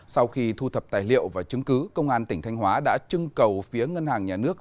sau khi thu thập tài liệu và chứng cứ công an tỉnh thanh hóa đã trưng cầu phía ngân hàng nhà nước